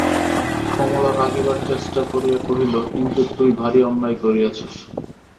কমলা রাগিবার চেষ্টা করিয়া কহিল, কিন্তু তুই ভারি অন্যায় করিয়াছিস।